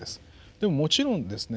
でももちろんですね